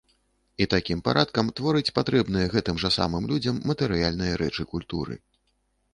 І такім парадкам творыць патрэбныя гэтым жа самым людзям матэрыяльныя рэчы культуры.